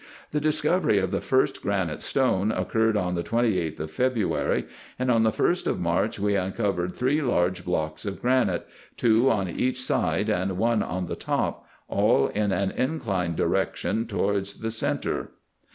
The discovery of the first granite stone occurred on the 28th of February, and on the 1 st of March we uncovered three large blocks of granite, two on each side, and one on the top, all in an inclined direction towards the centre.